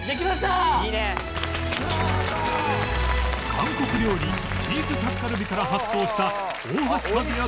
韓国料理チーズタッカルビから発想した大橋和也